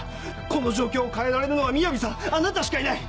この状況を変えられるのはみやびさんあなたしかいない！